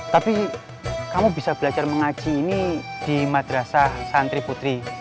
tapi kamu bisa belajar mengaji ini di madrasah santri putri